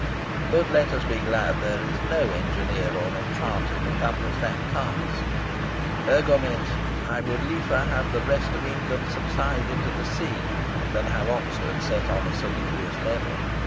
But let us be glad there is no engineer or enchanter to compass that task. Egomet, I would liefer have the rest of England subside into the sea than have Oxford set on a salubrious level.